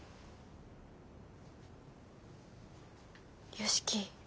良樹。